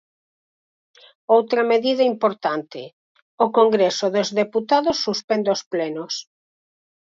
Outra medida importante: o Congreso dos Deputados suspende os plenos.